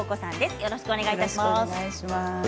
よろしくお願いします。